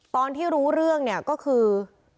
ตอนที่รู้เรื่องเนี่ยก็คือ